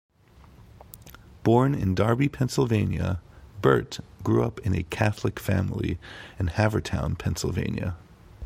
Born in Darby, Pennsylvania, Burt grew up in a Catholic family in Havertown, Pennsylvania.